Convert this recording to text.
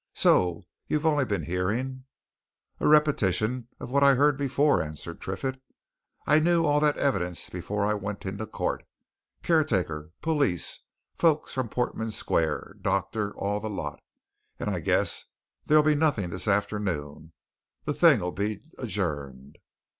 So you've only been hearing " "A repetition of what I'd heard before," answered Triffitt. "I knew all that evidence before I went into court. Caretaker police folks from Portman Square doctor all the lot! And I guess there'll be nothing this afternoon the thing'll be adjourned."